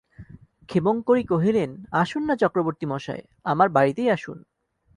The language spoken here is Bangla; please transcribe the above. ক্ষেমংকরী কহিলেন, আসুন-না চক্রবর্তীমশায়, আমার বাড়িতেই আসুন।